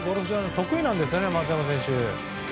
得意なんですね、松山選手。